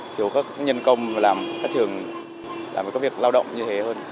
thiếu các nhân công làm các trường làm với các việc lao động như thế hơn